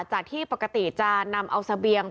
จากที่ปกติจะนำเอาเสบียง